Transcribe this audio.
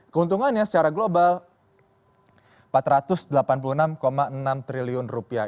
keuntungannya secara global empat ratus delapan puluh enam enam triliun rupiah